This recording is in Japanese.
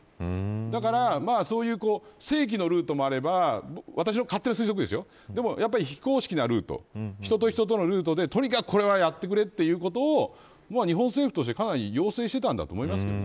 だからそういう正規のルートもあれば私の勝手な推測ですがやっぱり、非公式なルート人と人とのルートで、とにかくこれはやってくれということを日本政府として、かなり要請していたんだと思います。